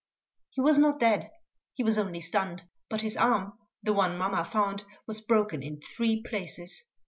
He was not dead, he was only stunned; but his arm, the one mamma found, was broken in three places.